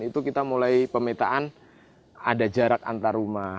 itu kita mulai pemetaan ada jarak antar rumah